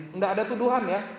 tidak ada tuduhan ya